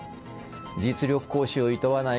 実力行使をいとわない